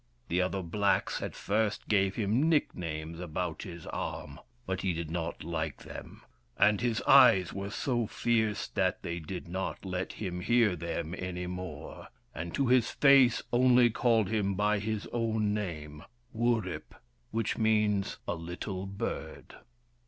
The other blacks at first gave him nick names about his arm, but he did not like them, and his eyes were so fierce that they did not let him hear them any more, and to his face only called him by his own name, Wurip, which means " a little bird."